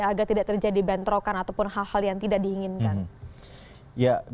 agar tidak terjadi bentrokan ataupun hal hal yang tidak diinginkan